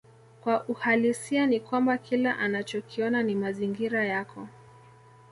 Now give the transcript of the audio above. Kwa uhalisia ni kwamba kila unachokiona ni mazingira yako